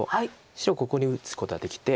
白ここに打つことはできて。